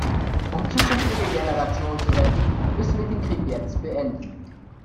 Um zukünftige Generationen zu retten, müssen wir den Krieg jetzt beenden.